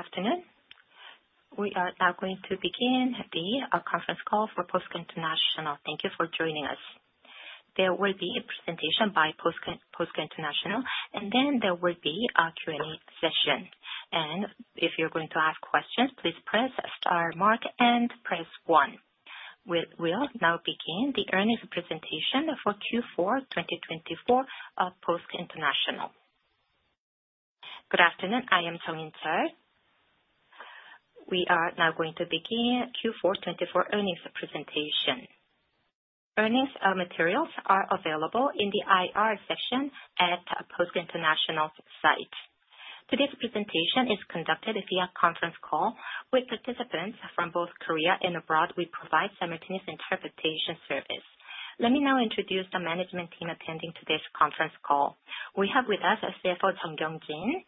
Good afternoon. We are now going to begin the conference call for POSCO International. Thank you for joining us. There will be a presentation by POSCO International, and then there will be a Q&A session, and if you're going to ask questions, please press Star, Mark, and press one. We'll now begin the earnings presentation for Q4 2024 of POSCO International. Good afternoon. I am telling you that we are now going to begin Q4 2024 earnings presentation. Earnings materials are available in the IR section at POSCO International's site. Today's presentation is conducted via conference call with participants from both Korea and abroad. We provide simultaneous interpretation service. Let me now introduce the management team attending today's conference call. We have with us Lee Kye-In.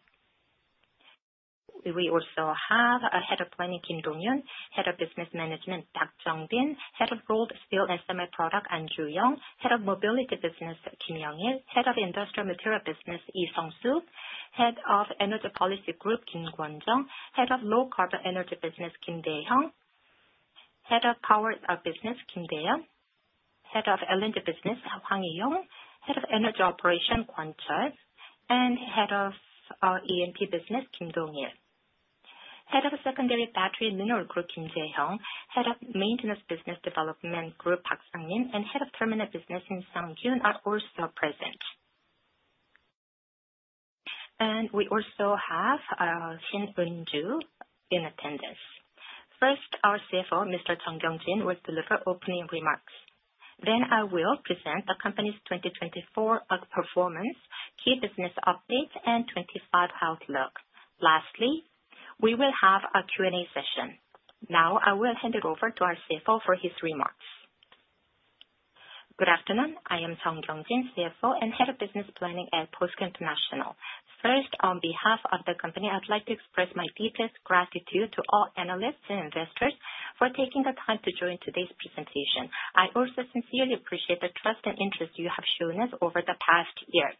We also have Head of Planning Kim Dong-Yeon, Head of Business Management Park Jong-Bin, Head of Rolled Steel and Semiproduct An Ju-Yong, Head of Mobility Business Kim Young-Il, Head of Industrial Material Business Lee Seong-Soo, Head of Energy Policy Group Kim Gwon-Jung, Head of Low Carbon Energy Business Kim Dae-Hyung, Head of Power Business Kim Dae-Yeon, Head of LNG Business Hwang Eui-Yong, Head of Energy Operation Kwon Chul, and Head of ENP Business Kim Dong-Il. Head of Secondary Battery Mineral Group Kim Jae-Heung, Head of Maintenance Business Development Group Park Sang-Min, and Head of Terminal Business Shin Seung-Jun are also present, and we also have Shin Eun-Ju in attendance. First, our CFO, Mr. Jeong Yeon-In, will deliver opening remarks. Then I will present the company's 2024 performance, key business updates, and 2025 outlook. Lastly, we will have a Q&A session. Now I will hand it over to our CFO for his remarks. Good afternoon. I am Jeong Yeon-in, CFO and Head of Business Planning at POSCO International. First, on behalf of the company, I'd like to express my deepest gratitude to all analysts and investors for taking the time to join today's presentation. I also sincerely appreciate the trust and interest you have shown us over the past year.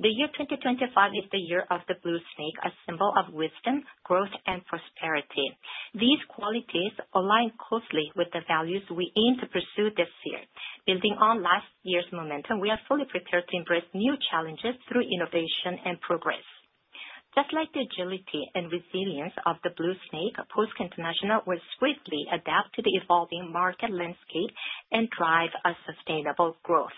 The year 2025 is the year of the Blue Snake, a symbol of wisdom, growth, and prosperity. These qualities align closely with the values we aim to pursue this year. Building on last year's momentum, we are fully prepared to embrace new challenges through innovation and progress. Just like the agility and resilience of the Blue Snake, POSCO International will swiftly adapt to the evolving market landscape and drive sustainable growth.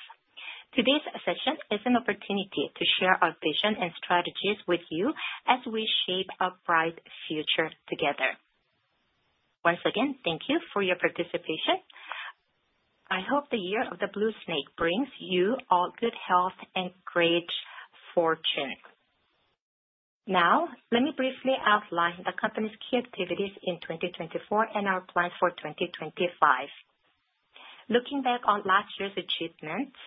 Today's session is an opportunity to share our vision and strategies with you as we shape a bright future together. Once again, thank you for your participation. I hope the year of the Blue Snake brings you all good health and great fortune. Now, let me briefly outline the company's key activities in 2024 and our plans for 2025. Looking back on last year's achievements,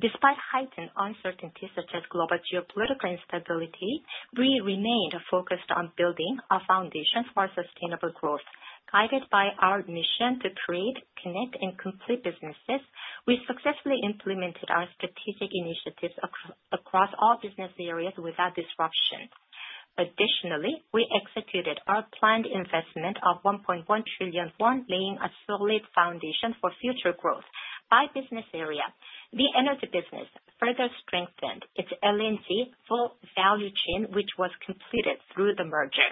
despite heightened uncertainties such as global geopolitical instability, we remained focused on building a foundation for sustainable growth. Guided by our mission to create, connect, and complete businesses, we successfully implemented our strategic initiatives across all business areas without disruption. Additionally, we executed our planned investment of 1.1 trillion won, laying a solid foundation for future growth by business area. The energy business further strengthened its LNG full value chain, which was completed through the merger.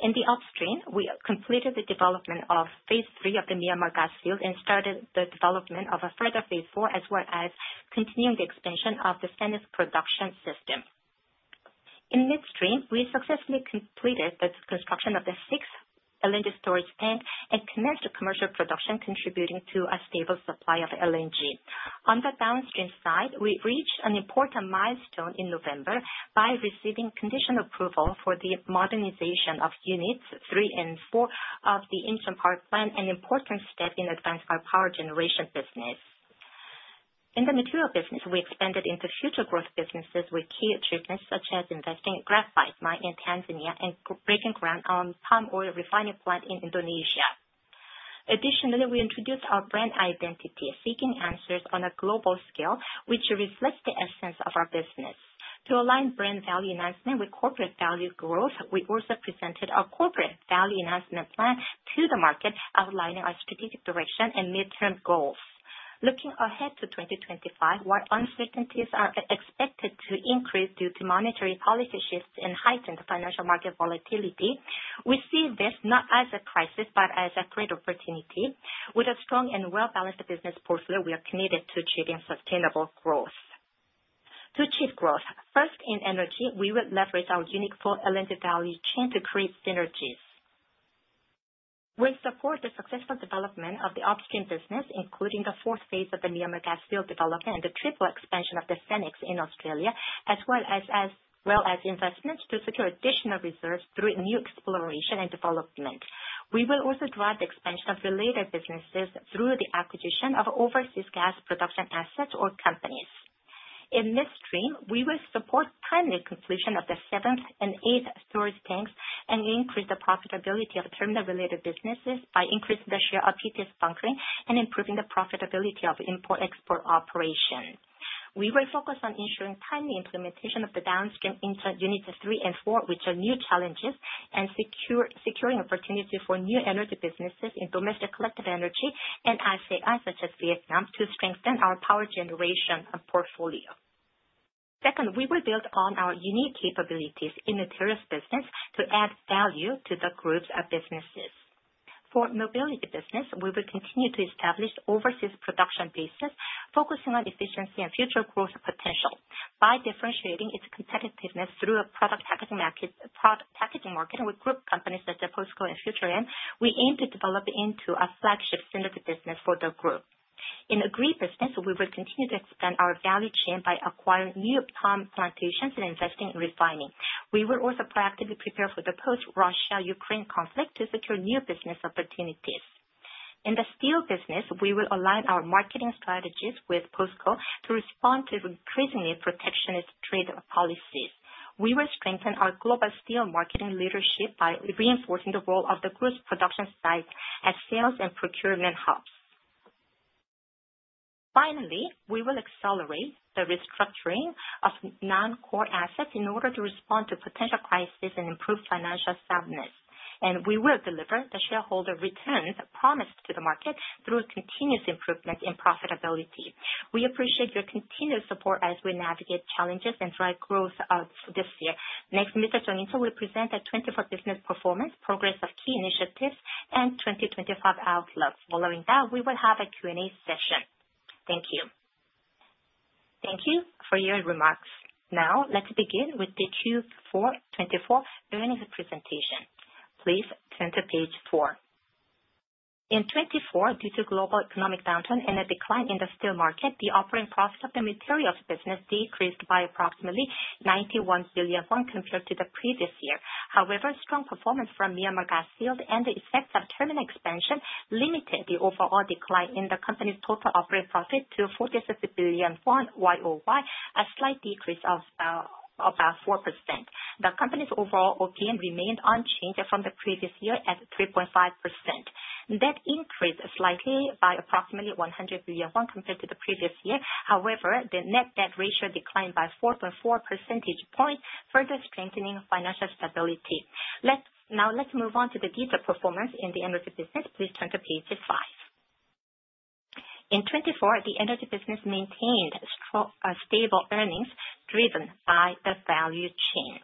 In the upstream, we completed the development of phase three of the Myanmar gas field and started the development of a further phase four, as well as continuing the expansion of the Senex's production system. In midstream, we successfully completed the construction of the sixth LNG storage tank and commenced commercial production, contributing to a stable supply of LNG. On the downstream side, we reached an important milestone in November by receiving conditional approval for the modernization of units three and four of the Incheon Power Plant, an important step in advancing our power generation business. In the material business, we expanded into future growth businesses with key achievements such as investing in graphite mine in Tanzania and breaking ground on palm oil refining plant in Indonesia. Additionally, we introduced our brand identity, seeking answers on a global scale, which reflects the essence of our business. To align brand value enhancement with corporate value growth, we also presented our corporate value enhancement plan to the market, outlining our strategic direction and midterm goals. Looking ahead to 2025, while uncertainties are expected to increase due to monetary policy shifts and heightened financial market volatility, we see this not as a crisis but as a great opportunity. With a strong and well-balanced business portfolio, we are committed to achieving sustainable growth. To achieve growth, first in energy, we will leverage our unique full LNG value chain to create synergies. We support the successful development of the upstream business, including the fourth phase of the Myanmar gas field development and the triple expansion of the Senex in Australia, as well as investments to secure additional reserves through new exploration and development. We will also drive the expansion of related businesses through the acquisition of overseas gas production assets or companies. In midstream, we will support timely completion of the seventh and eighth storage tanks and increase the profitability of terminal-related businesses by increasing the share of PTS bunkering and improving the profitability of import-export operations. We will focus on ensuring timely implementation of the downstream units three and four, which are new challenges, and securing opportunities for new energy businesses in domestic collective energy and ICI such as Vietnam to strengthen our power generation portfolio. Second, we will build on our unique capabilities in materials business to add value to the group's businesses. For mobility business, we will continue to establish overseas production bases, focusing on efficiency and future growth potential. By differentiating its competitiveness through a product packaging market with group companies such as POSCO Future M, we aim to develop into a flagship synergy business for the group. In agri business, we will continue to expand our value chain by acquiring new palm plantations and investing in refining. We will also proactively prepare for the post-Russia-Ukraine conflict to secure new business opportunities. In the steel business, we will align our marketing strategies with POSCO to respond to increasingly protectionist trade policies. We will strengthen our global steel marketing leadership by reinforcing the role of the group's production sites as sales and procurement hubs. Finally, we will accelerate the restructuring of non-core assets in order to respond to potential crises and improve financial soundness, and we will deliver the shareholder returns promised to the market through continuous improvement in profitability. We appreciate your continued support as we navigate challenges and drive growth this year. Next, Mr. Jeong Yeon-in, we'll present the 2024 business performance, progress of key initiatives, and 2025 outlook. Following that, we will have a Q&A session. Thank you. Thank you for your remarks. Now, let's begin with the Q4 2024 earnings presentation. Please turn to page four. In 2024, due to global economic downturn and a decline in the steel market, the operating profit of the materials business decreased by approximately 91 billion won compared to the previous year. However, strong performance from Myanmar gas field and the effects of terminal expansion limited the overall decline in the company's total operating profit to 46 billion won YoY, a slight decrease of about 4%. The company's overall OPM remained unchanged from the previous year at 3.5%. Debt increased slightly by approximately 100 billion won compared to the previous year. However, the net debt ratio declined by 4.4 percentage points, further strengthening financial stability. Now, let's move on to the detailed performance in the energy business. Please turn to page five. In 2024, the energy business maintained stable earnings driven by the value chain.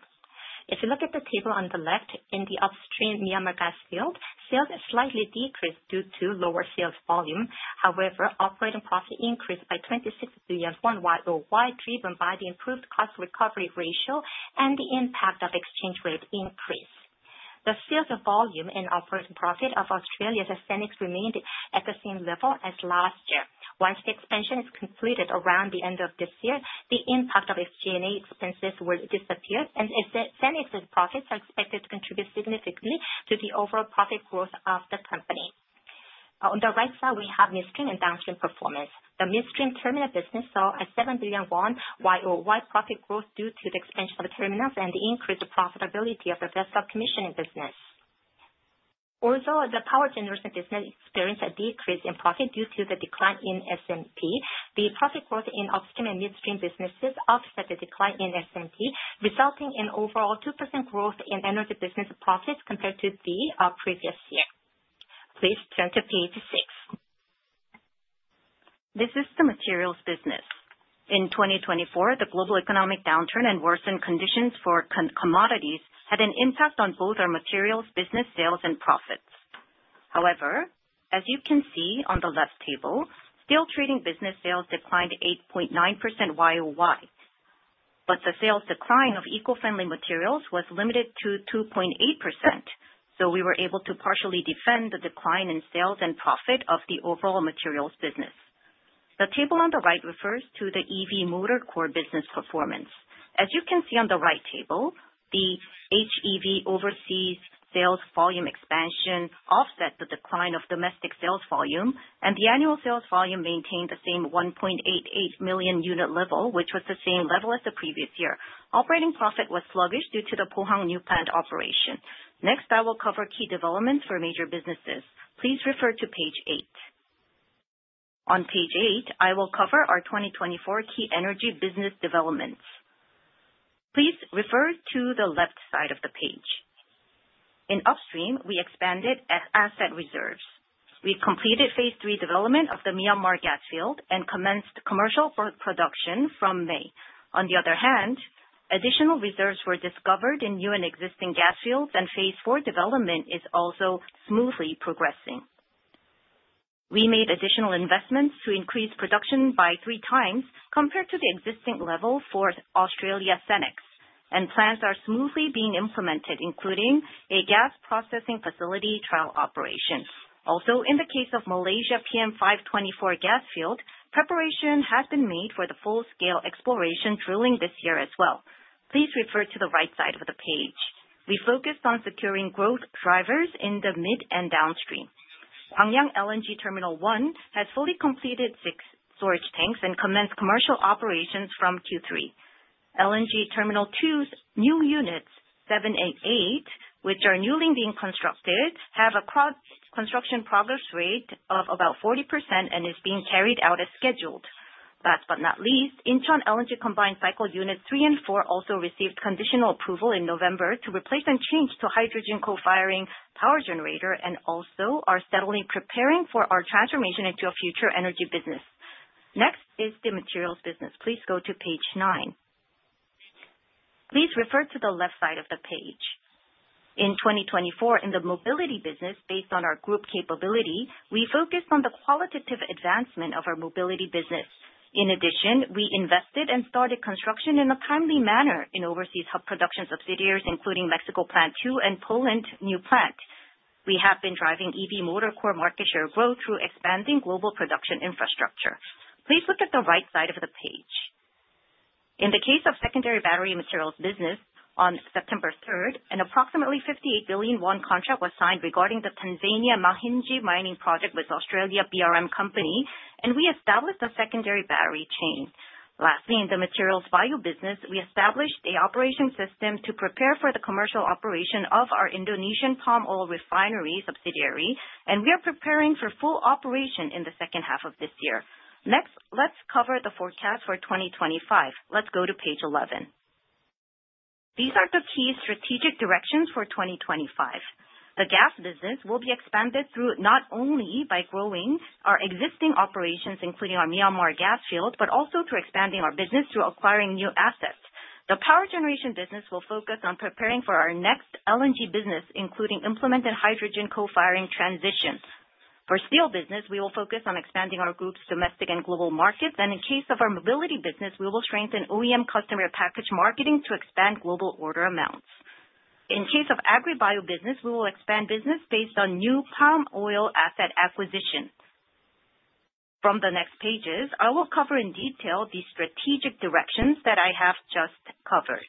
If you look at the table on the left, in the upstream Myanmar gas field, sales slightly decreased due to lower sales volume. However, operating profit increased by 26 billion won YoY, driven by the improved cost recovery ratio and the impact of exchange rate increase. The sales volume and operating profit of Australia's Senex remained at the same level as last year. Once the expansion is completed around the end of this year, the impact of its G&A expenses will disappear, and Senex's profits are expected to contribute significantly to the overall profit growth of the company. On the right side, we have midstream and downstream performance. The midstream terminal business saw a 7 billion won YoY profit growth due to the expansion of terminals and the increased profitability of the vessel commissioning business. Although the power generation business experienced a decrease in profit due to the decline in SMP, the profit growth in upstream and midstream businesses offset the decline in SMP, resulting in overall 2% growth in energy business profits compared to the previous year. Please turn to page six. This is the materials business. In 2024, the global economic downturn and worsened conditions for commodities had an impact on both our materials business sales and profits. However, as you can see on the left table, steel trading business sales declined 8.9% YoY, but the sales decline of eco-friendly materials was limited to 2.8%. So we were able to partially defend the decline in sales and profit of the overall materials business. The table on the right refers to the EV motor core business performance. As you can see on the right table, the HEV overseas sales volume expansion offset the decline of domestic sales volume, and the annual sales volume maintained the same 1.88 million unit level, which was the same level as the previous year. Operating profit was sluggish due to the Pohang New Plant operation. Next, I will cover key developments for major businesses. Please refer to page eight. On page eight, I will cover our 2024 key energy business developments. Please refer to the left side of the page. In upstream, we expanded asset reserves. We completed phase three development of the Myanmar gas field and commenced commercial production from May. On the other hand, additional reserves were discovered in new and existing gas fields, and phase four development is also smoothly progressing. We made additional investments to increase production by 3x compared to the existing level for Australia Senex, and plans are smoothly being implemented, including a gas processing facility trial operation. Also, in the case of Malaysia PM524 gas field, preparation has been made for the full-scale exploration drilling this year as well. Please refer to the right side of the page. We focused on securing growth drivers in the mid and downstream. Gwangyang LNG Terminal One has fully completed six storage tanks and commenced commercial operations from Q3. LNG Terminal 2's new Units 7 and 8, which are newly being constructed, have a construction progress rate of about 40% and is being carried out as scheduled. Last but not least, Incheon LNG Combined Cycle Units 3 and 4 also received conditional approval in November to replace and change to hydrogen co-firing power generator and also are steadily preparing for our transformation into a future energy business. Next is the materials business. Please go to page nine. Please refer to the left side of the page. In 2024, in the mobility business, based on our group capability, we focused on the qualitative advancement of our mobility business. In addition, we invested and started construction in a timely manner in overseas hub production subsidiaries, including Mexico Plant 2 and Poland new plant. We have been driving EV motor core market share growth through expanding global production infrastructure. Please look at the right side of the page. In the case of secondary battery materials business, on September 3rd, an approximately 58 billion won contract was signed regarding the Tanzania Mahenge mining project with Australian BRM Company, and we established a secondary battery chain. Lastly, in the materials bio business, we established an operation system to prepare for the commercial operation of our Indonesian palm oil refinery subsidiary, and we are preparing for full operation in the second half of this year. Next, let's cover the forecast for 2025. Let's go to page 11. These are the key strategic directions for 2025. The gas business will be expanded not only by growing our existing operations, including our Myanmar gas field, but also through expanding our business through acquiring new assets. The power generation business will focus on preparing for our next LNG business, including implementing hydrogen co-firing transitions. For steel business, we will focus on expanding our group's domestic and global markets, and in case of our mobility business, we will strengthen OEM customer package marketing to expand global order amounts. In case of agri-bio business, we will expand business based on new palm oil asset acquisition. From the next pages, I will cover in detail the strategic directions that I have just covered.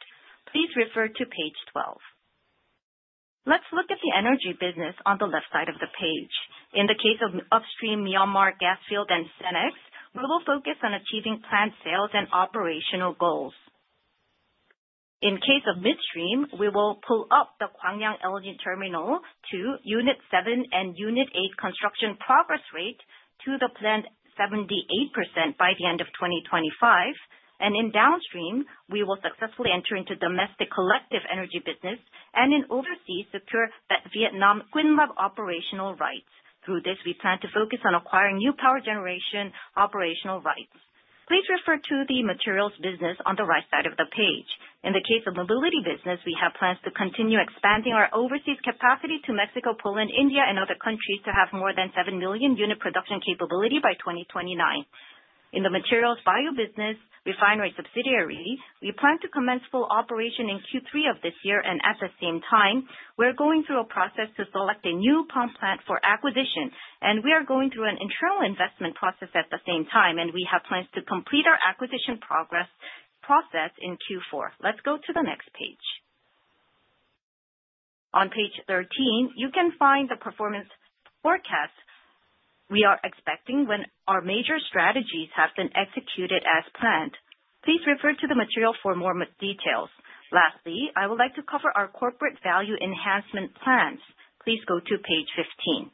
Please refer to page 12. Let's look at the energy business on the left side of the page. In the case of upstream Myanmar gas field and Senex, we will focus on achieving plant sales and operational goals. In case of midstream, we will pull up the Gwangyang LNG Terminal 2, Unit 7 and Unit 8 construction progress rate to the planned 78% by the end of 2025. In downstream, we will successfully enter into domestic collective energy business and in overseas secure Vietnam Quynh Lap operational rights. Through this, we plan to focus on acquiring new power generation operational rights. Please refer to the materials business on the right side of the page. In the case of mobility business, we have plans to continue expanding our overseas capacity to Mexico, Poland, India, and other countries to have more than 7 million unit production capability by 2029. In the materials bio business refinery subsidiary, we plan to commence full operation in Q3 of this year, and at the same time, we're going through a process to select a new palm plant for acquisition, and we are going through an internal investment process at the same time, and we have plans to complete our acquisition progress process in Q4. Let's go to the next page. On page 13, you can find the performance forecast we are expecting when our major strategies have been executed as planned. Please refer to the material for more details. Lastly, I would like to cover our corporate value enhancement plans. Please go to page 15.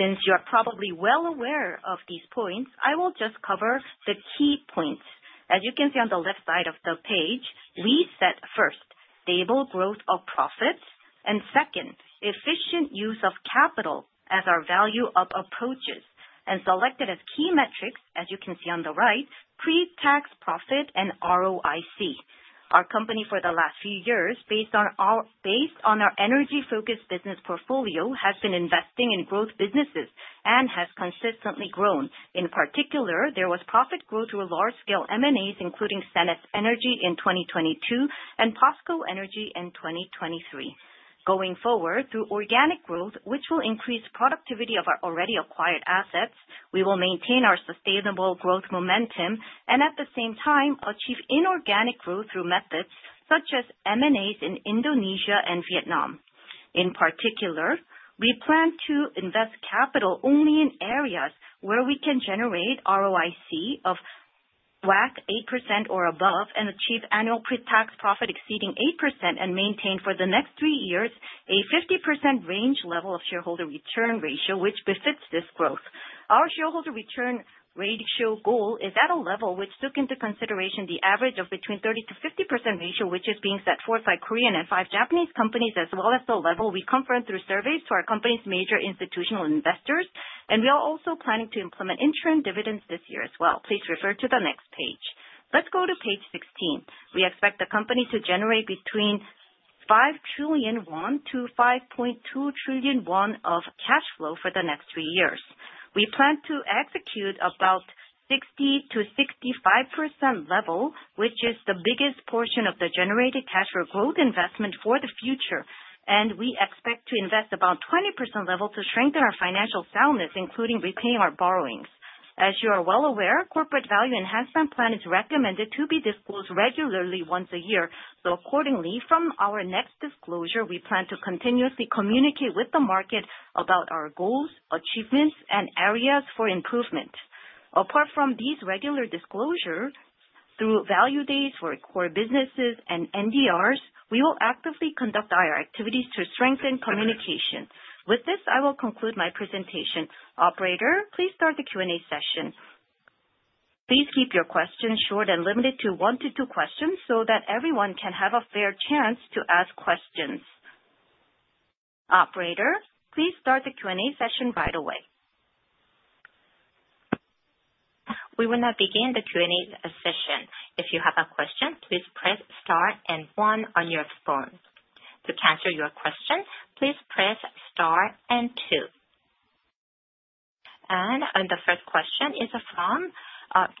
Since you are probably well aware of these points, I will just cover the key points. As you can see on the left side of the page, we set first stable growth of profits and second, efficient use of capital as our value-up approaches and selected as key metrics, as you can see on the right, pre-tax profit and ROIC. Our company for the last few years, based on our energy-focused business portfolio, has been investing in growth businesses and has consistently grown. In particular, there was profit growth through large-scale M&As, including Senex Energy in 2022 and POSCO Energy in 2023. Going forward, through organic growth, which will increase productivity of our already acquired assets, we will maintain our sustainable growth momentum and at the same time achieve inorganic growth through methods such as M&As in Indonesia and Vietnam. In particular, we plan to invest capital only in areas where we can generate ROIC of WACC 8% or above and achieve annual pre-tax profit exceeding 8% and maintain for the next three years a 50% range level of shareholder return ratio which befits this growth. Our shareholder return ratio goal is at a level which took into consideration the average of between 30%-50% ratio, which is being set forth by Korean and five Japanese companies, as well as the level we conferred through surveys to our company's major institutional investors. We are also planning to implement interim dividends this year as well. Please refer to the next page. Let's go to page 16. We expect the company to generate between 5 trillion-5.2 trillion won of cash flow for the next three years. We plan to execute about 60%-65% level, which is the biggest portion of the generated cash for growth investment for the future. And we expect to invest about 20% level to strengthen our financial soundness, including repaying our borrowings. As you are well aware, Corporate Value Enhancement Plan is recommended to be disclosed regularly once a year. So accordingly, from our next disclosure, we plan to continuously communicate with the market about our goals, achievements, and areas for improvement. Apart from these regular disclosures, through value days for core businesses and NDRs, we will actively conduct our activities to strengthen communication. With this, I will conclude my presentation. Operator, please start the Q&A session. Please keep your questions short and limited to one to two questions so that everyone can have a fair chance to ask questions. Operator, please start the Q&A session right away. We will now begin the Q&A session. If you have a question, please press star and one on your phone. To cancel your question, please press star and two. And the first question is from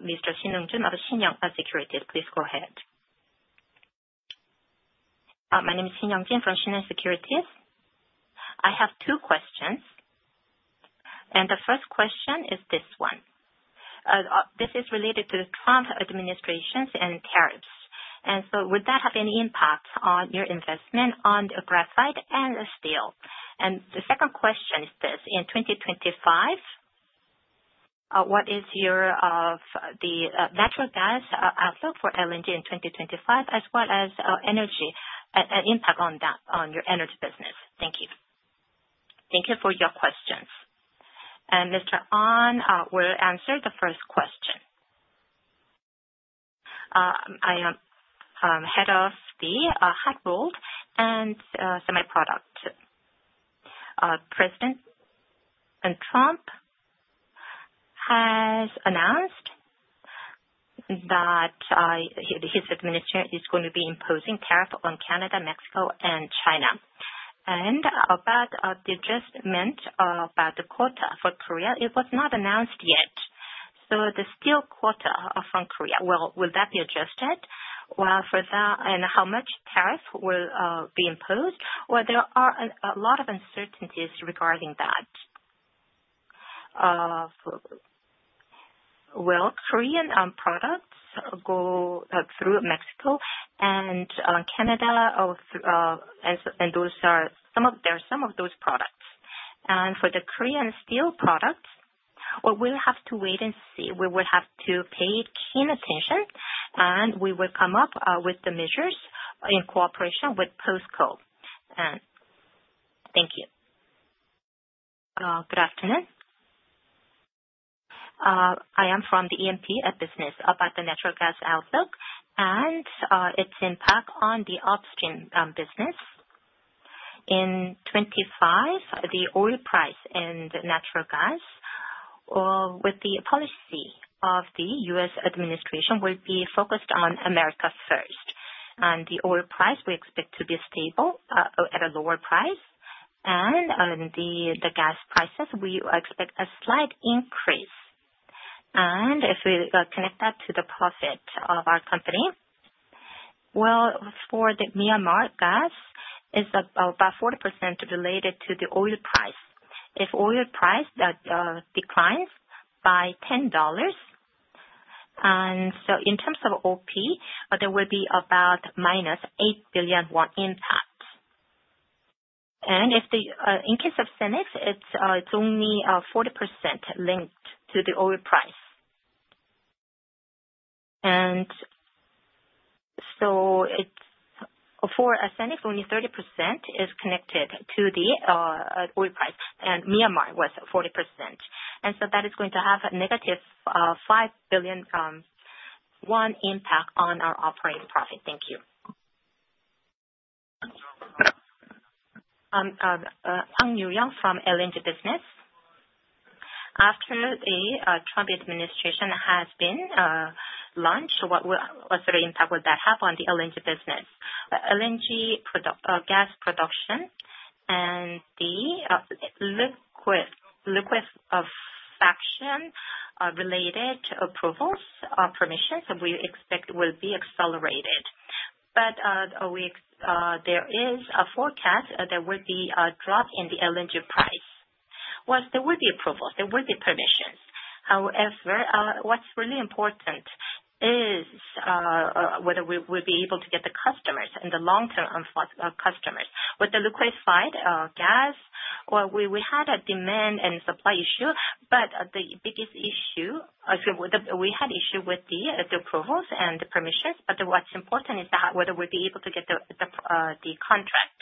Mr. Shin Young-jin of Shinyoung Securities. Please go ahead. My name is Shin Young-jin from Shinyoung Securities. I have two questions. And the first question is this one. This is related to the Trump administration's tariffs. And so would that have any impact on your investment on graphite and steel? And the second question is this. In 2025, what is your natural gas outlook for LNG in 2025, as well as energy impact on your energy business? Thank you. Thank you for your questions. And Mr. Ahn will answer the first question. I am Head of the Hot Rolled and Semiproduct. President Trump has announced that his administration is going to be imposing tariffs on Canada, Mexico, and China. And about the adjustment about the quota for Korea, it was not announced yet. So the steel quota from Korea, well, will that be adjusted? And how much tariff will be imposed? Well, there are a lot of uncertainties regarding that. Well, Korean products go through Mexico and Canada, and those are some of those products. And for the Korean steel products, we'll have to wait and see. We will have to pay keen attention, and we will come up with the measures in cooperation with POSCO. Thank you. Good afternoon. I am from the ENP at business about the natural gas outlook and its impact on the upstream business. In 2025, the oil price and natural gas with the policy of the U.S. administration will be focused on America First. And the oil price, we expect to be stable at a lower price. And the gas prices, we expect a slight increase. And if we connect that to the profit of our company, well, for the Myanmar gas, it's about 40% related to the oil price. If oil price declines by $10, and so in terms of OP, there will be about minus 8 billion won impact. And in case of Senex, it's only 40% linked to the oil price. And so for Senex, only 30% is connected to the oil price, and Myanmar was 40%. And so that is going to have a -5 billion impact on our operating profit. Thank you. Hwang Eui-Yong from LNG business. After the Trump administration has been launched, what sort of impact would that have on the LNG business? LNG gas production and the liquefaction related approvals or permissions we expect will be accelerated. But there is a forecast there would be a drop in the LNG price. There would be approvals. There would be permissions. However, what's really important is whether we would be able to get the customers and the long-term customers. With the liquefied gas, we had a demand and supply issue, but the biggest issue we had with the approvals and the permissions. But what's important is whether we'd be able to get the contract.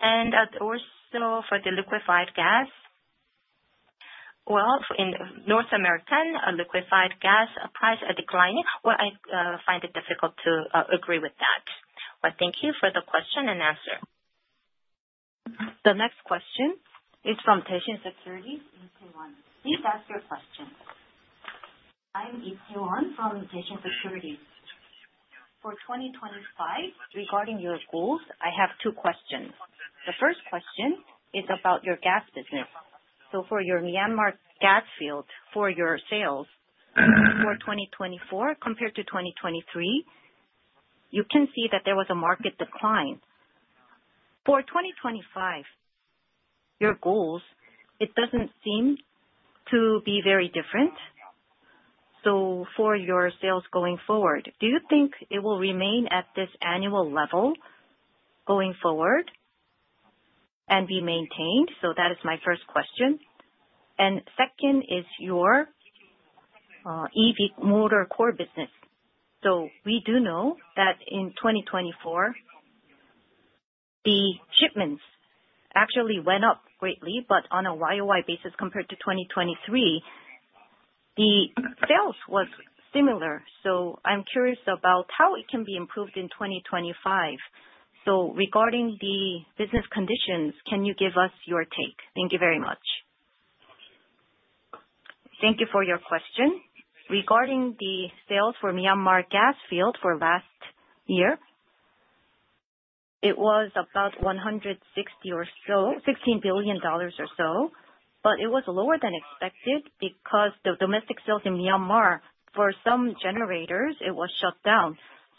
And also for the liquefied gas, in North America, liquefied gas prices are declining. I find it difficult to agree with that. But thank you for the question and answer. The next question is from Daishin Securities. Please ask your question. I'm Lee Tae-Hwan from Daishin Securities. For 2025, regarding your goals, I have two questions. The first question is about your gas business. So for your Myanmar gas field, for your sales for 2024 compared to 2023, you can see that there was a market decline. For 2025, your goals, it doesn't seem to be very different. So for your sales going forward, do you think it will remain at this annual level going forward and be maintained? So that is my first question. And second is your EV motor core business. So we do know that in 2024, the shipments actually went up greatly, but on a YoY basis compared to 2023, the sales was similar. So I'm curious about how it can be improved in 2025. So regarding the business conditions, can you give us your take? Thank you very much. Thank you for your question. Regarding the sales for Myanmar gas field for last year, it was about 160 or so, $16 billion or so. But it was lower than expected because the domestic sales in Myanmar, for some generators, it was shut down.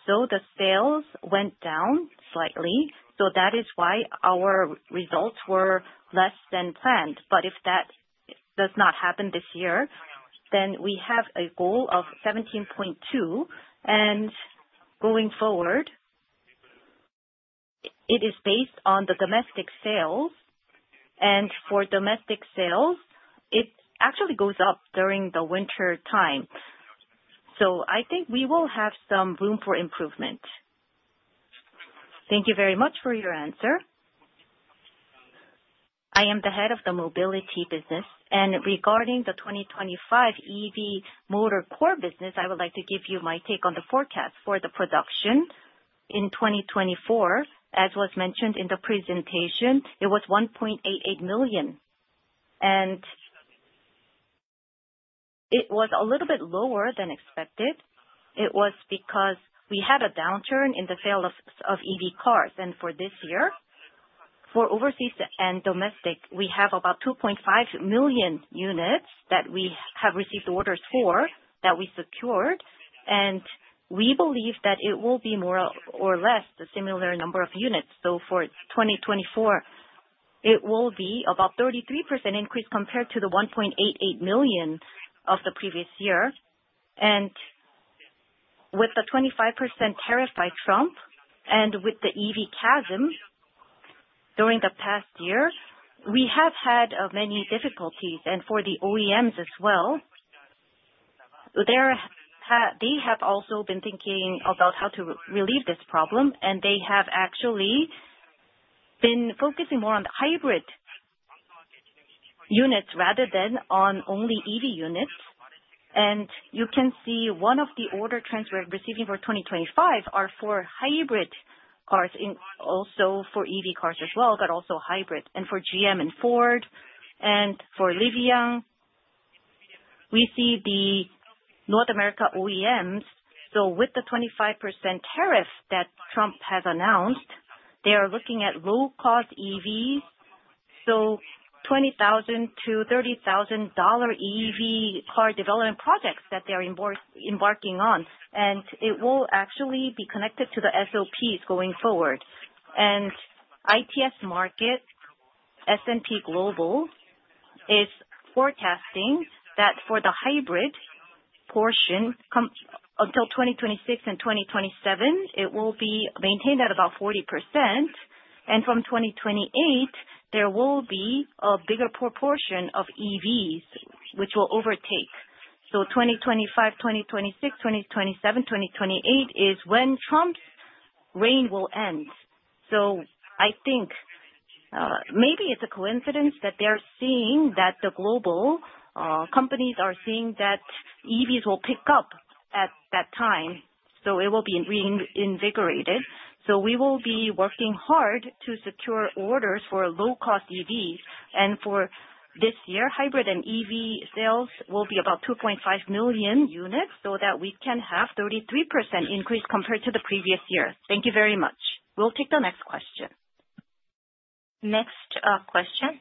So the sales went down slightly. So that is why our results were less than planned. But if that does not happen this year, then we have a goal of 17.2. And going forward, it is based on the domestic sales. And for domestic sales, it actually goes up during the wintertime. So I think we will have some room for improvement. Thank you very much for your answer. I am the head of the mobility business. And regarding the 2025 EV motor core business, I would like to give you my take on the forecast for the production in 2024. As was mentioned in the presentation, it was 1.88 million. And it was a little bit lower than expected. It was because we had a downturn in the sale of EV cars. And for this year, for overseas and domestic, we have about 2.5 million units that we have received orders for that we secured. And we believe that it will be more or less the similar number of units. So for 2024, it will be about 33% increase compared to the 1.88 million of the previous year. And with the 25% tariff by Trump and with the EV chasm during the past year, we have had many difficulties. And for the OEMs as well, they have also been thinking about how to relieve this problem. And they have actually been focusing more on the hybrid units rather than on only EV units. And you can see one of the order trends we're receiving for 2025 are for hybrid cars, also for EV cars as well, but also hybrid. And for GM and Ford and for Rivian, we see the North America OEMs. So with the 25% tariff that Trump has announced, they are looking at low-cost EVs, so $20,000-$30,000 EV car development projects that they're embarking on. And it will actually be connected to the SOPs going forward. And IHS Markit, S&P Global is forecasting that for the hybrid portion, until 2026 and 2027, it will be maintained at about 40%. And from 2028, there will be a bigger proportion of EVs which will overtake. So 2025, 2026, 2027, 2028 is when Trump's reign will end. So I think maybe it's a coincidence that they're seeing that the global companies are seeing that EVs will pick up at that time. So it will be reinvigorated. So we will be working hard to secure orders for low-cost EVs. And for this year, hybrid and EV sales will be about 2.5 million units so that we can have a 33% increase compared to the previous year. Thank you very much. We'll take the next question. Next question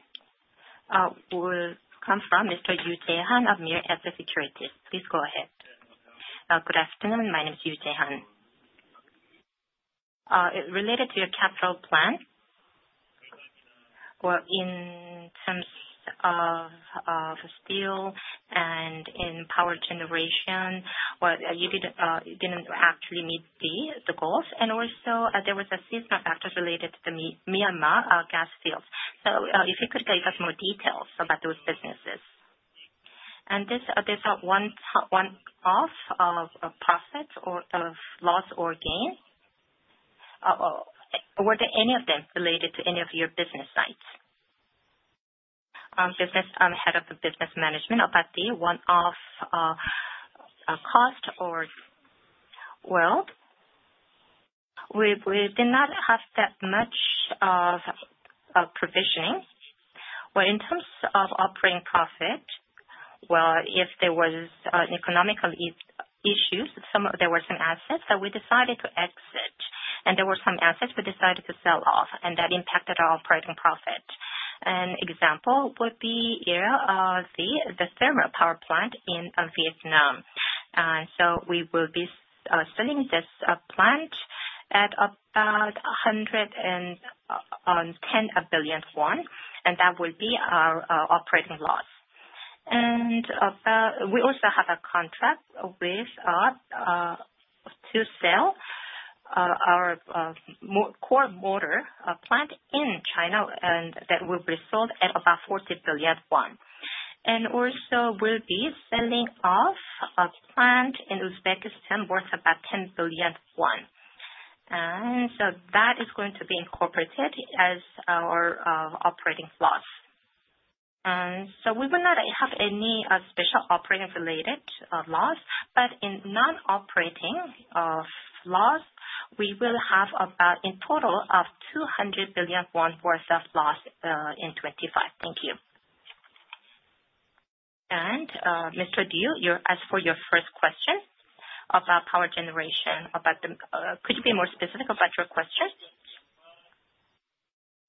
will come from Mr. Yoo Jae-Han, Meritz Securities. Please go ahead. Good afternoon. My name is Yoo Jae-Han. Related to your capital plan, well, in terms of steel and in power generation, well, you didn't actually meet the goals. And also, there was a seasonal factor related to the Myanmar gas field. So if you could tell us more details about those businesses. And this is a one-off of profit or loss or gain. Were there any of them related to any of your business sites? Business. Head of the business management about the one-off cost or, well, we did not have that much of provisioning. In terms of operating profit, well, if there were economic issues, there were some assets that we decided to exit. There were some assets we decided to sell off, and that impacted our operating profit. An example would be the thermal power plant in Vietnam. We will be selling this plant at about 110 billion won. That will be our operating loss. We also have a contract with us to sell our motor core plant in China that will be sold at about 40 billion won. We will also be selling off a plant in Uzbekistan worth about 10 billion won. That is going to be incorporated as our operating loss. We will not have any special operating-related loss. But in non-operating loss, we will have about a total of 200 billion won worth of loss in 2025. Thank you. And Mr. Du, as for your first question about power generation, could you be more specific about your question?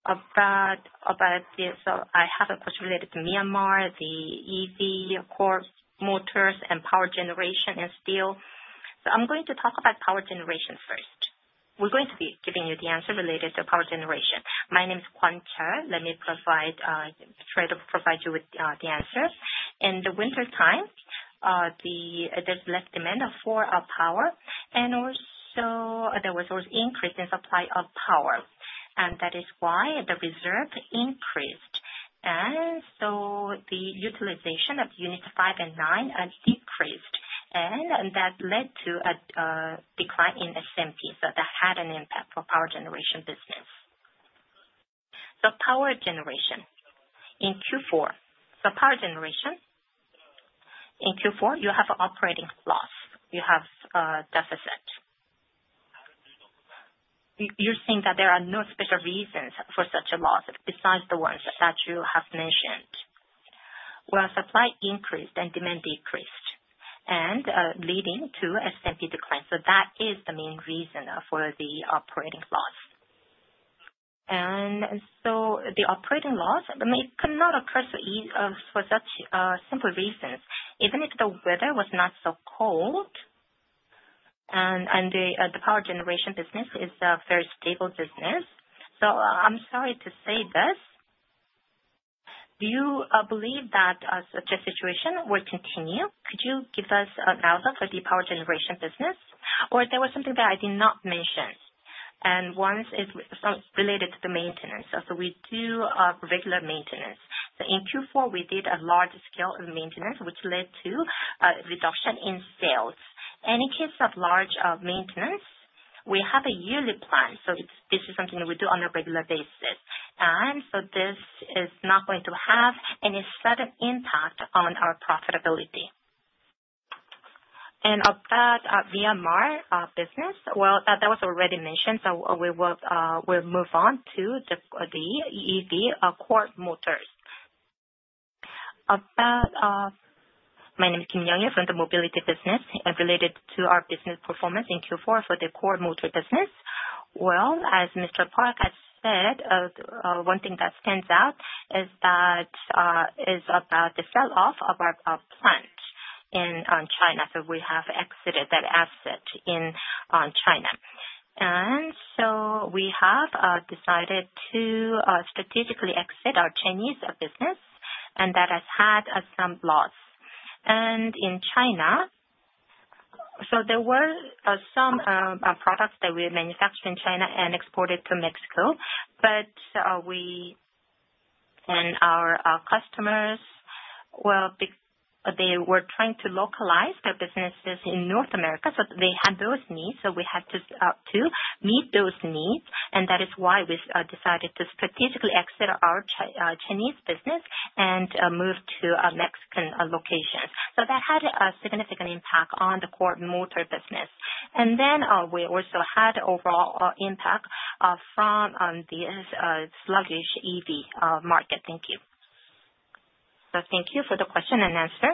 About this, I have a question related to Myanmar, the EV, of course, motors, and power generation and steel. So I'm going to talk about power generation first. We're going to be giving you the answer related to power generation. My name is Kwon Chul. Let me try to provide you with the answer. In the wintertime, there's less demand for power. And also, there was also increase in supply of power. And that is why the reserve increased. And so the utilization of units 5 and 9 decreased. And that led to a decline in SMP. So that had an impact for power generation business. So, power generation in Q4, you have an operating loss. You have a deficit. You're saying that there are no special reasons for such a loss besides the ones that you have mentioned. Well, supply increased and demand decreased, leading to SMP decline. So that is the main reason for the operating loss. And so the operating loss, it could not occur for such simple reasons. Even if the weather was not so cold, and the power generation business is a very stable business. So I'm sorry to say this. Do you believe that such a situation will continue? Could you give us an outlook for the power generation business? Or there was something that I did not mention. And one is related to the maintenance. So we do regular maintenance. In Q4, we did a large scale of maintenance, which led to a reduction in sales. In case of large maintenance, we have a yearly plan. This is something we do on a regular basis. This is not going to have any sudden impact on our profitability. About Myanmar business, well, that was already mentioned. We will move on to the EV motor cores. My name is Kim Young-Il from the mobility business. Related to our business performance in Q4 for the core motor business, well, as Mr. Park has said, one thing that stands out is about the sell-off of our plant in China. We have exited that asset in China. We have decided to strategically exit our Chinese business. That has had some loss. In China, so there were some products that we manufactured in China and exported to Mexico. But we and our customers, well, they were trying to localize their businesses in North America. So they had those needs. So we had to meet those needs. And that is why we decided to strategically exit our Chinese business and move to Mexican locations. So that had a significant impact on the core motor business. And then we also had overall impact from this sluggish EV market. Thank you. So thank you for the question and answer.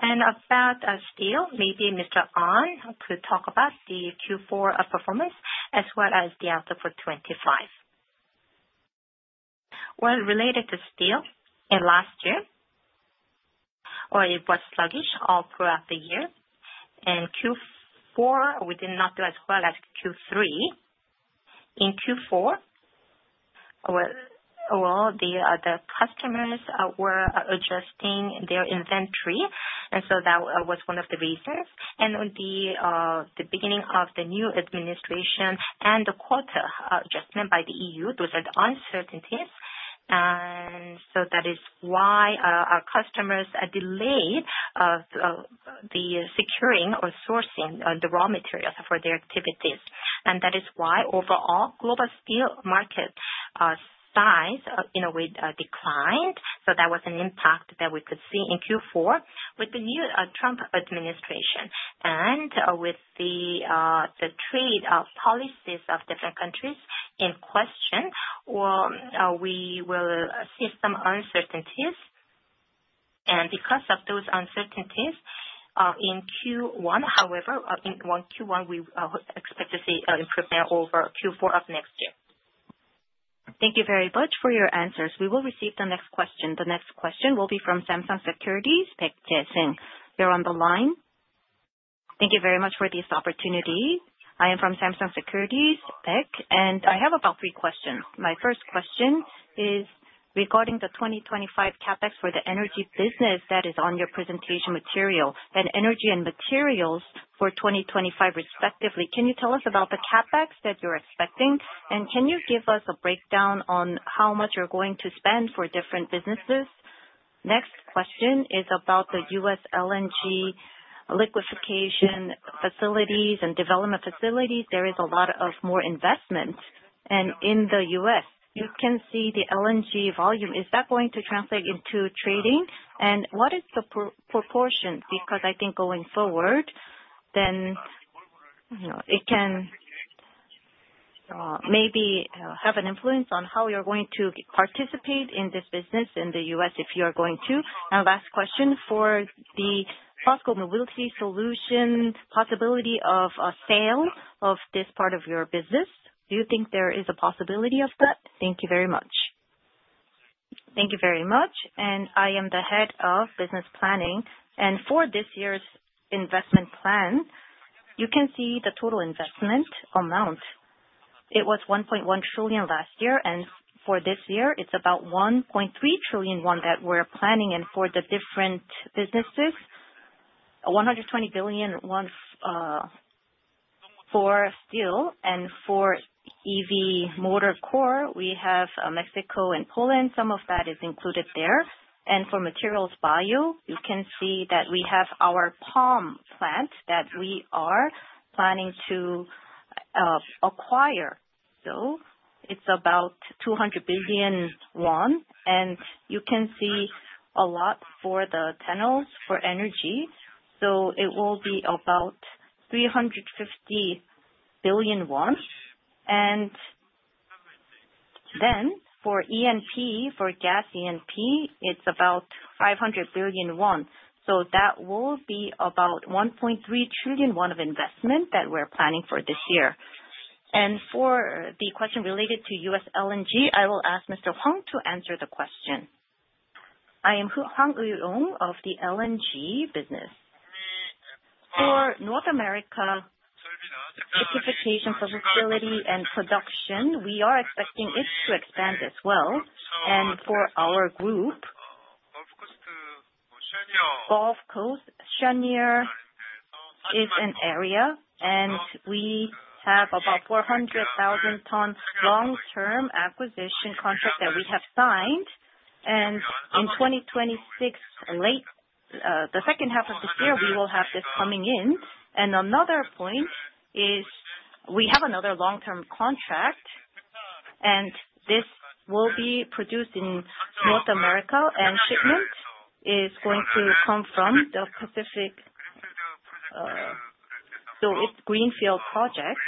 And about steel, maybe Mr. Ahn could talk about the Q4 performance as well as the outlook for 2025. Well, related to steel in last year, or it was sluggish all throughout the year. And Q4, we did not do as well as Q3. In Q4, well, the customers were adjusting their inventory. And so that was one of the reasons. And in the beginning of the new administration and the quarter adjustment by the EU, those are the uncertainties. And so that is why our customers delayed the securing or sourcing the raw materials for their activities. And that is why overall global steel market size in a way declined. So that was an impact that we could see in Q4 with the new Trump administration. And with the trade policies of different countries in question, well, we will see some uncertainties. And because of those uncertainties in Q1, however, in Q1, we expect to see an improvement over Q4 of next year. Thank you very much for your answers. We will receive the next question. The next question will be from Samsung Securities. Paek Jae-Seung. You're on the line. Thank you very much for this opportunity. I am from Samsung Securities, Paek. And I have about three questions. My first question is regarding the 2025 CapEx for the energy business that is on your presentation material, and energy and materials for 2025, respectively. Can you tell us about the CapEx that you're expecting? And can you give us a breakdown on how much you're going to spend for different businesses? Next question is about the U.S. LNG liquefaction facilities and development facilities. There is a lot more investment. And in the U.S., you can see the LNG volume. Is that going to translate into trading? And what is the proportion? Because I think going forward, then it can maybe have an influence on how you're going to participate in this business in the U.S. if you are going to. And last question for the POSCO mobility solution possibility of sale of this part of your business. Do you think there is a possibility of that? Thank you very much. Thank you very much. And I am the Head of Business Planning. And for this year's investment plan, you can see the total investment amount. It was 1.1 trillion last year. And for this year, it's about 1.3 trillion won that we're planning. And for the different businesses, 120 billion won for steel. And for EV motor core, we have Mexico and Poland. Some of that is included there. And for materials bio, you can see that we have our palm plant that we are planning to acquire. So it's about 200 billion won. And you can see a lot for the terminals for energy. So it will be about 350 billion won. Then for ENP, for gas ENP, it's about 500 billion won. So that will be about 1.3 trillion won of investment that we're planning for this year. For the question related to U.S. LNG, I will ask Mr. Hwang to answer the question. I am Hwang Eui-Yong of the LNG business. For North America liquefaction facility and production, we are expecting it to expand as well. For our group, Gulf Coast, Cheniere is an area. We have about 400,000 ton long-term acquisition contract that we have signed. In 2026, late the second half of this year, we will have this coming in. Another point is we have another long-term contract. This will be produced in North America. Shipment is going to come from the Pacific. It's greenfield project.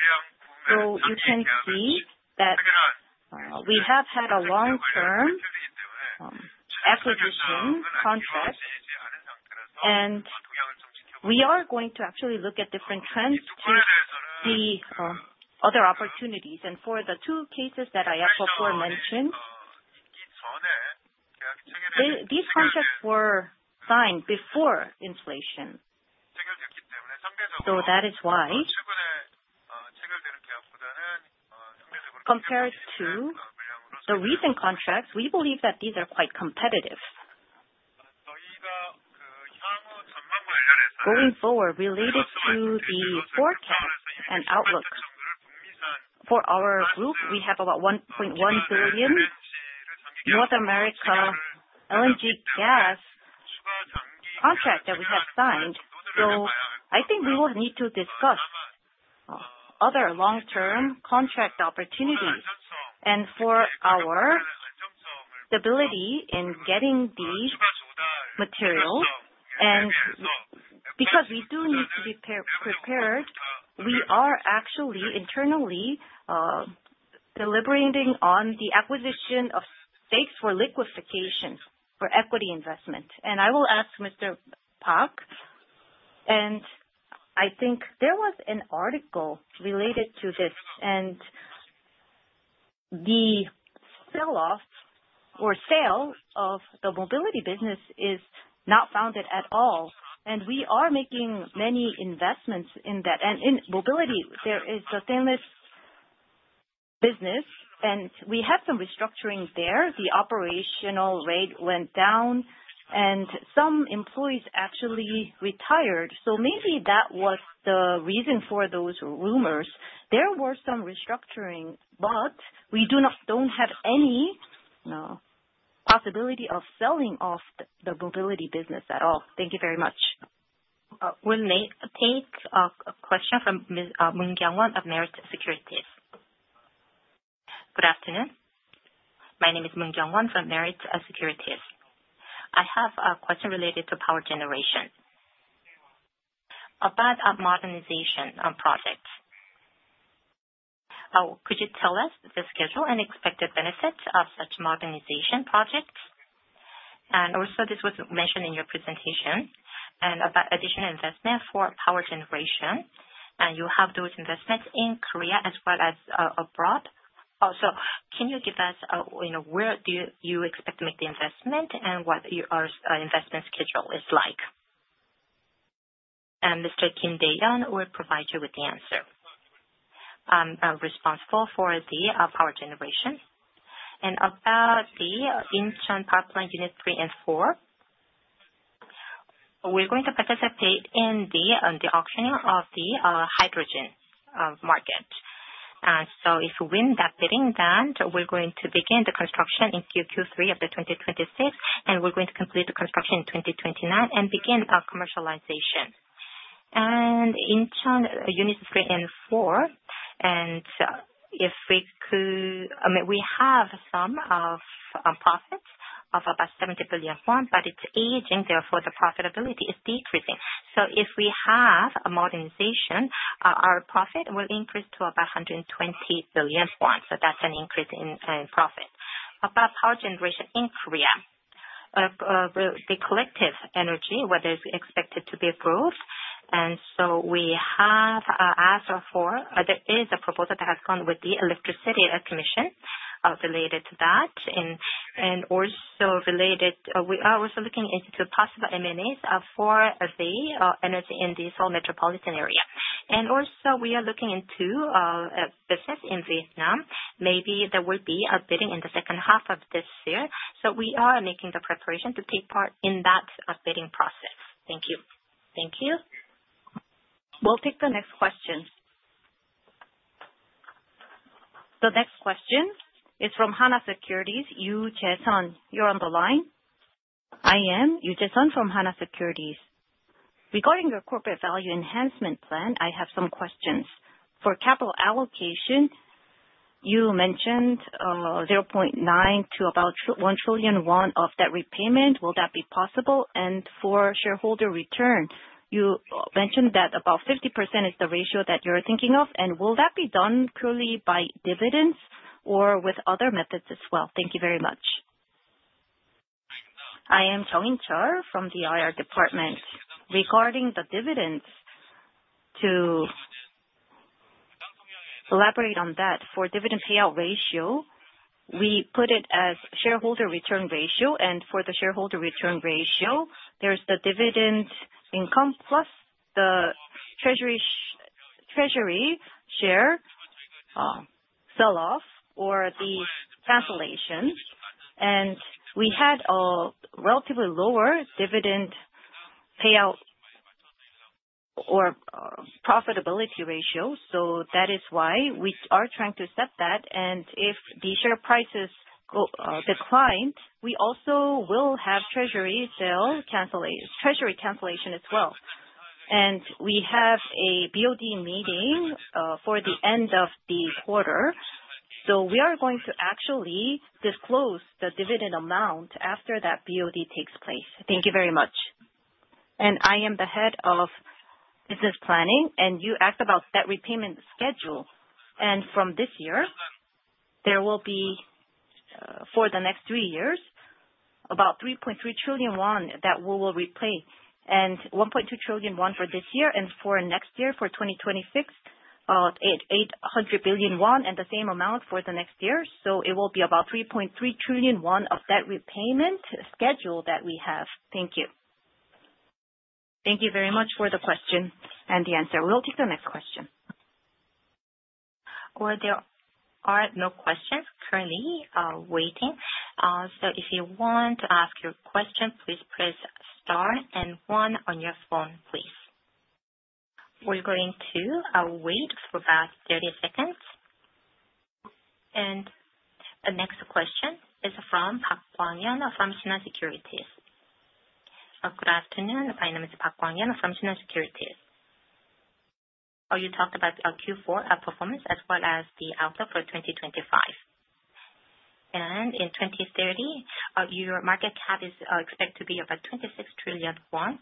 You can see that we have had a long-term acquisition contract. We are going to actually look at different trends to see other opportunities. For the two cases that I have before mentioned, these contracts were signed before inflation. That is why compared to the recent contracts, we believe that these are quite competitive. Going forward, related to the forecast and outlook for our group, we have about $1.1 billion North America LNG gas contract that we have signed. I think we will need to discuss other long-term contract opportunities. For our stability in getting the materials, and because we do need to be prepared, we are actually internally deliberating on the acquisition of stakes for liquefaction for equity investment. I will ask Mr. Park. I think there was an article related to this. The sell-off or sale of the mobility business is unfounded at all. And we are making many investments in that. And in mobility, there is the stainless business. And we had some restructuring there. The operational rate went down. And some employees actually retired. So maybe that was the reason for those rumors. There were some restructuring. But we don't have any possibility of selling off the mobility business at all. Thank you very much. We'll take a question from Moon Kyung-Won of Meritz Securities. Good afternoon. My name is Moon Kyung-Won from Meritz Securities. I have a question related to power generation about modernization projects. Could you tell us the schedule and expected benefits of such modernization projects? And also, this was mentioned in your presentation about additional investment for power generation. And you have those investments in Korea as well as abroad. Also, can you give us where do you expect to make the investment and what your investment schedule is like? Mr. Kim Dae-Yeon will provide you with the answer. I'm responsible for the power generation. About the Incheon power plant Unit 3 and 4, we're going to participate in the auctioning of the hydrogen market, and so if we win that bidding, then we're going to begin the construction in Q3 of 2026. We're going to complete the construction in 2029 and begin commercialization. Incheon Unit 3 and 4, and if we could, we have some profits of about 70 billion won, but it's aging. Therefore, the profitability is decreasing. So if we have a modernization, our profit will increase to about 120 billion won. That's an increase in profit. About power generation in Korea, the collective energy, whether it's expected to be approved. We have asked for there is a proposal that has gone with the electricity commission related to that. Also related, we are also looking into possible M&As for the energy in the Seoul metropolitan area. Also we are looking into a business in Vietnam. Maybe there will be a bidding in the second half of this year. We are making the preparation to take part in that bidding process. Thank you. Thank you. We'll take the next question. The next question is from Hana Securities. Yoo Jae-Sun, you're on the line. I am Yoo Jae-Sun from Hana Securities. Regarding your corporate value enhancement plan, I have some questions. For capital allocation, you mentioned 0.9 trillion to about 1 trillion won of that repayment. Will that be possible? For shareholder return, you mentioned that about 50% is the ratio that you're thinking of. Will that be done purely by dividends or with other methods as well? Thank you very much. I am Cho In-Cheol from the IR department. Regarding the dividends, to elaborate on that, for dividend payout ratio, we put it as shareholder return ratio. For the shareholder return ratio, there's the dividend income plus the treasury share sell-off or the cancellation. We had a relatively lower dividend payout or profitability ratio. That is why we are trying to set that. If the share prices declined, we also will have treasury sale cancellation as well. We have a BOD meeting for the end of the quarter. We are going to actually disclose the dividend amount after that BOD takes place. Thank you very much. I am the head of business planning. You asked about that repayment schedule. And from this year, there will be, for the next three years, about 3.3 trillion won that we will repay. And 1.2 trillion won for this year and for next year, for 2026, 800 billion won and the same amount for the next year. So it will be about 3.3 trillion won of that repayment schedule that we have. Thank you. Thank you very much for the question and the answer. We'll take the next question. Or there are no questions currently waiting. So if you want to ask your question, please press star and one on your phone, please. We're going to wait for about 30 seconds. And the next question is from Park Gwang-Yeon from Shinhan Securities. Good afternoon. My name is Park Gwang-Yeon from Shinhan Securities. You talked about Q4 performance as well as the outlook for 2025. In 2030, your market cap is expected to be about 26 trillion won,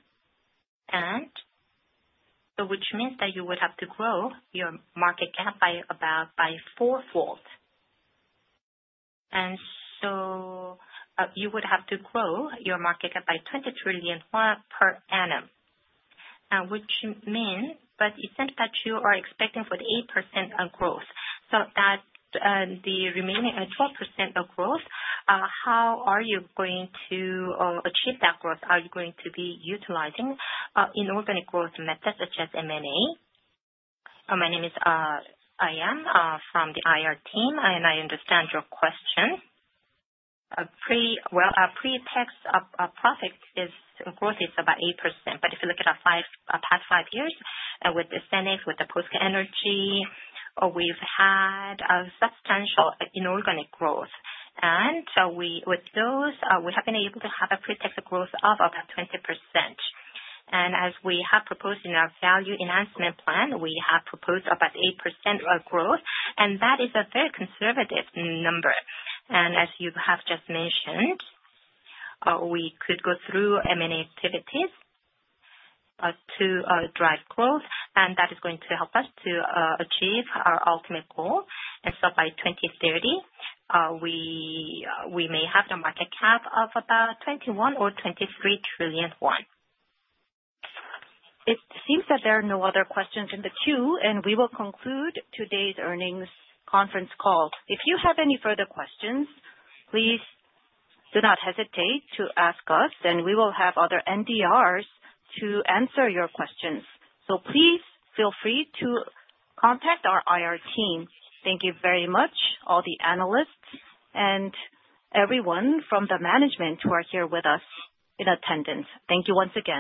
which means that you would have to grow your market cap by about fourfold. So you would have to grow your market cap by 20 trillion won per annum, which means. But it seems that you are expecting for the 8% growth. So the remaining 12% of growth, how are you going to achieve that growth? Are you going to be utilizing inorganic growth methods such as M&A? My name is. from the IR team. And I understand your question. Well, our pre-tax profit growth is about 8%. But if you look at our past five years with the Senex, with the POSCO Energy, we have had substantial inorganic growth. And with those, we have been able to have a pre-tax growth of about 20%. As we have proposed in our value enhancement plan, we have proposed about 8% growth. That is a very conservative number. As you have just mentioned, we could go through M&A activities to drive growth. That is going to help us to achieve our ultimate goal. By 2030, we may have the market cap of about 21 trillion or 23 trillion won. It seems that there are no other questions in the queue. We will conclude today's earnings conference call. If you have any further questions, please do not hesitate to ask us. We will have other NDRs to answer your questions. Please feel free to contact our IR team. Thank you very much, all the analysts and everyone from the management who are here with us in attendance. Thank you once again.